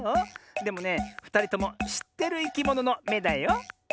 でもねふたりともしってるいきもののめだよ。